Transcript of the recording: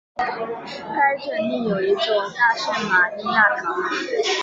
该镇另有一座大圣马利亚堂。